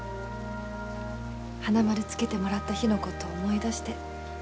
花丸つけてもらった日のことを思いだして